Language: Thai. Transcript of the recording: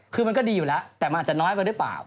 คือมันก็ดีอยู่แล้วแต่มันอาจจะน้อยไปหรือเปล่า